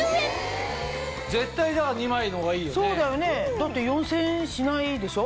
だって４０００円しないでしょ？